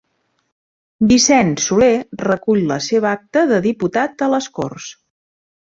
Vicent Soler recull la seva acta de diputat a les Corts